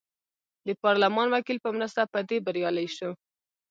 د پارلمان وکیل په مرسته په دې بریالی شو.